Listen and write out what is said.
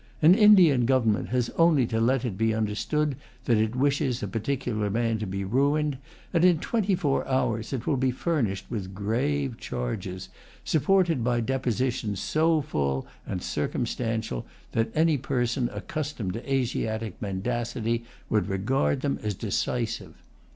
An Indian government has only to let it be understood that it wishes a particular man to be ruined, and in twenty four hours it will be furnished with grave charges, supported by depositions so full and circumstantial that any person unaccustomed to Asiatic mendacity would regard them as decisive.